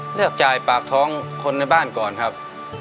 เลือกจ่ายปากท้องคนในบ้านก่อนครับ